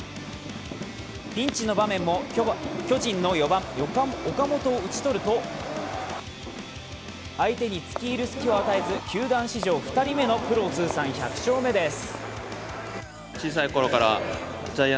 ピンチの場面も巨人の４番・岡本をうち取ると相手につけいる隙を与えず、プロ通算１００勝目です。